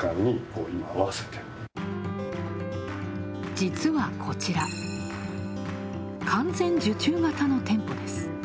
実はこちら、完全受注型の店舗です。